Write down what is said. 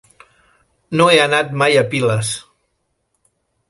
No he anat mai a Piles.